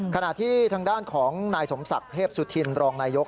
ขณะที่ทางด้านของนายสมศักดิ์เทพสุธินรองนายก